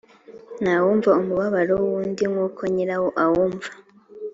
ntawumva umubabaro w’undi nk’uko nyirawo awumva